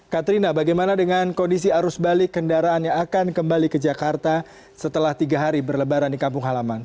katrina bagaimana dengan kondisi arus balik kendaraan yang akan kembali ke jakarta setelah tiga hari berlebaran di kampung halaman